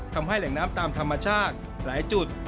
ทำให้แหล่งน้ำตามธรรมชาติหลายจุด